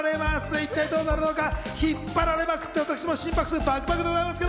一体どうなるのか、引っ張られまくって私も心拍数バクバクでございます。